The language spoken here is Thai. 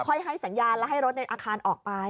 ให้สัญญาณและให้รถในอาคารออกไป